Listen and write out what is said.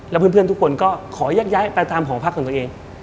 แล้วเพื่อนทุกคนก็ขอแยกย้ายไปตามหอพักของตัวเอง